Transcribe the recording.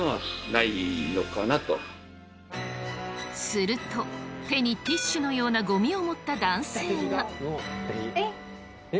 すると手にティッシュのようなゴミを持った男性が。